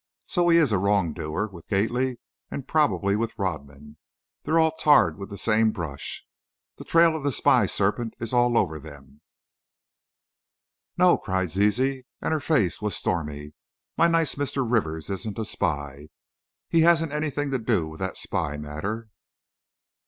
So he is a wrongdoer, with Gately, and probably, with Rodman. They're all tarred with the same brush. The trail of the spy serpent is over them all." "No!" cried Zizi, and her face was stormy, "my nice Mr. Rivers isn't any spy! He hasn't anything to do with that spy matter!"